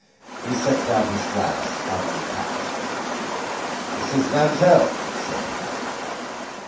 He set down his glass untouched. "This is Mam'selle!" said he.